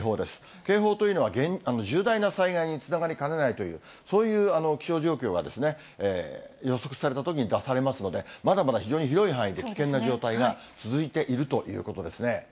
警報というのは重大な災害につながりかねないという、そういう気象状況が予測されたときに出されますので、まだまだ非常に広い範囲で、危険な状態が続いているということですね。